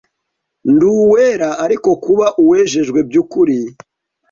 Ndi uwera ariko kuba uwejejwe by’ukuri